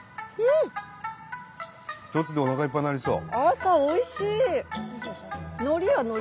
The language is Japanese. １つでおなかいっぱいになりそう。